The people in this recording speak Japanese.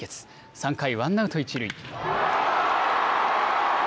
３回、ワンアウト一塁。